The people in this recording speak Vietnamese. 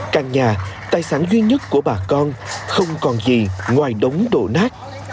căn nhà tài sản duy nhất của bà con không còn gì ngoài đống đổ nát